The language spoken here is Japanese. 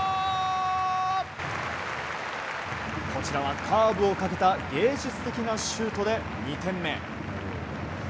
こちらはカーブをかけた芸術的なシュートで２点目。